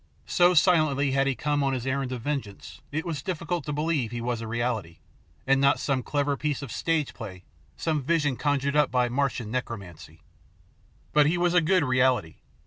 So silently had he come on his errand of vengeance it was difficult to believe he was a reality, and not some clever piece of stageplay, some vision conjured up by Martian necromancy. But he was good reality.